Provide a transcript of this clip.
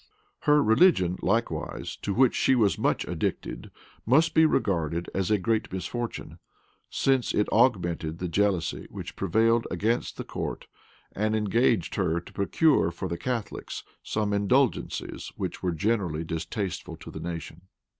Her religion likewise, to which she was much addicted, must be regarded as a great misfortune; since it augmented the jealousy which prevailed against the court, and engaged her to procure for the Catholics some indulgences which were generally distasteful to the nation.